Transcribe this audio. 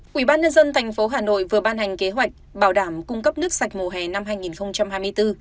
quỹ ban nhân dân tp hà nội vừa ban hành kế hoạch bảo đảm cung cấp nước sạch mùa hè năm hai nghìn hai mươi bốn